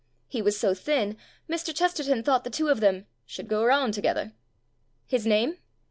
He was so thin Mr. Chesterton thought the two of them "should go around to gether". His name?